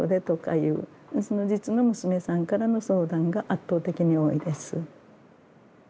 実の娘さんからの相談が圧倒的に多いです。